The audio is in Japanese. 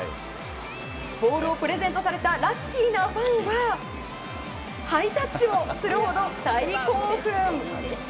ボールをプレゼントされたラッキーなファンはハイタッチをするほど大興奮。